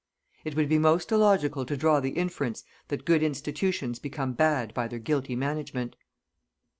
It would be most illogical to draw the inference that good institutions become bad by their guilty management.